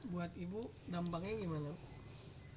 buat ibu dampaknya gimana